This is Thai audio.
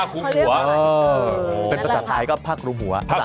ก็ภาคกรุม